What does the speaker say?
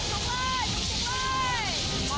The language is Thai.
ดูทุกมือดูทุกมือ